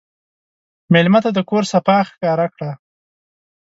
مېلمه ته د کور صفا ښکاره کړه.